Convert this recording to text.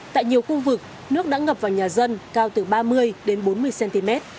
tại nhiều khu vực nước đã ngập vào nhà dân cao từ ba mươi đến bốn mươi cm